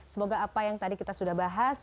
semoga apa yang tadi kita sudah bahas